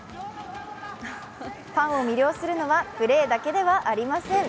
ファンを魅了するのはプレーだけではありません。